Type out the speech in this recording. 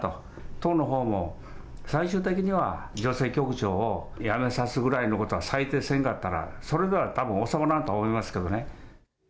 党のほうも、最終的には女性局長を辞めさすぐらいのことは最低せんかったら、それではたぶん収まらんと思いますけどね。